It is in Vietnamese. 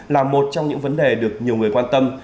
là một trong những vấn đề được nhiều người quan tâm